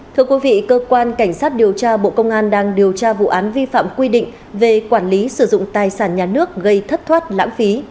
thưa quý vị cơ quan cảnh sát điều tra bộ công an đang điều tra vụ án vi phạm quy định về quản lý sử dụng tài sản nhà nước gây thất thoát lãng phí